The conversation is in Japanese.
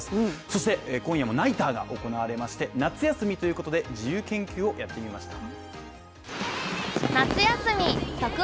そして今夜もナイターが行われまして夏休みということで自由研究をやってみました。